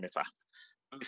terima kasih pak oliver